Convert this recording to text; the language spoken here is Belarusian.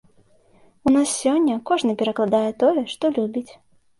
У нас сёння кожны перакладае тое, што любіць.